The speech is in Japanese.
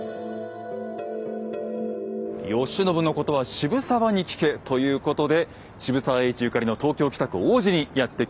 「慶喜のことは渋沢に聞け」ということで渋沢栄一ゆかりの東京・北区王子にやって来ました。